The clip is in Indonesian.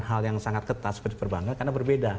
hal yang sangat ketat sebagai perbankan karena berbeda